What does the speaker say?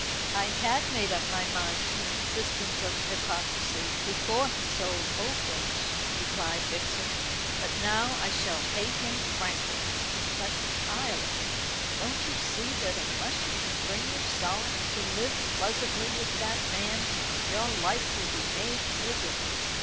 "I had made up my mind to an existence of hypocrisy before he sold Bullfinch," replied Vixen, "but now I shall hate him frankly." "But, Violet, don't you see that unless you can bring yourself to live pleasantly with that man your life will be made miserable?